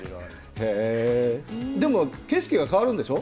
でも、景色が変わるんでしょう